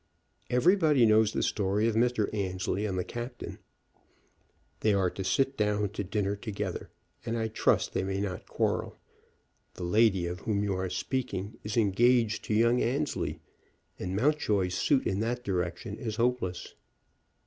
"Everybody knows the story of Mr. Annesley and the captain." "They are to sit down to dinner together, and I trust they may not quarrel. The lady of whom you are speaking is engaged to young Annesley, and Mountjoy's suit in that direction is hopeless."